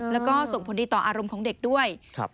แล้วก็ส่งผลดีต่ออารมณ์ของเด็กด้วย